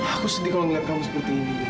aku sedih kalau ngeliat kamu seperti ini mila